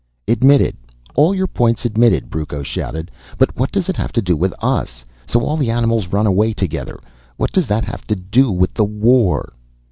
"Admitted all your points admitted," Brucco shouted. "But what does it have to do with us? So all the animals run away together, what does that have to do with the war?"